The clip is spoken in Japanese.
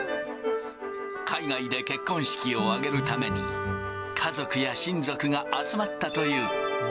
海外で結婚式を挙げるために、家族や親族が集まったという。